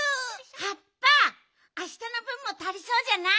はっぱあしたのぶんもたりそうじゃない？